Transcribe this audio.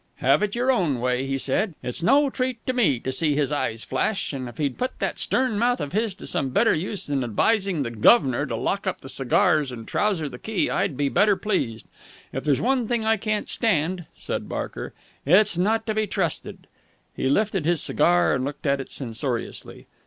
"Have it your own way," he said. "It's no treat to me to see his eyes flash, and if he'd put that stern mouth of his to some better use than advising the guv'nor to lock up the cigars and trouser the key, I'd be better pleased. If there's one thing I can't stand," said Barker, "it's not to be trusted!" He lifted his cigar and looked at it censoriously.